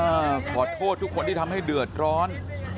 ขอโทษทุกคนที่ทำให้เดือดร้อน